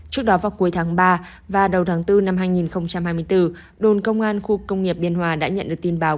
trước đó vào cuối tháng ba và đầu tháng bốn năm hai nghìn hai mươi bốn đồn công an khu công nghiệp biên hòa đã nhận được tin báo